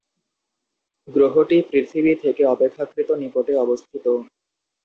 গ্রহটি পৃথিবী থেকে অপেক্ষাকৃত নিকটে অবস্থিত।